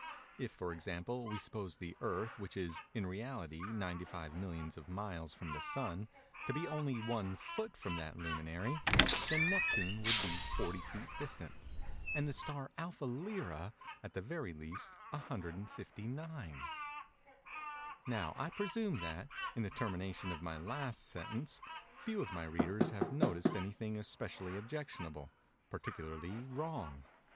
If, for example, we suppose the Earth, which is, in reality, 95 millions of miles from the Sun, to be only one foot from that luminary; then Neptune would be 40 feet distant; and the star Alpha Lyræ, at the very least, 159. Now I presume that, in the termination of my last sentence, few of my readers have noticed anything especially objectionable—particularly wrong.